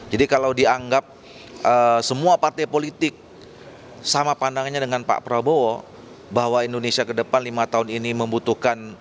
kalau dianggap semua partai politik sama pandangannya dengan pak prabowo bahwa indonesia ke depan lima tahun ini membutuhkan